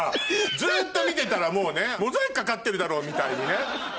ずっと見てたらもうねモザイクかかってるだろうみたいにね。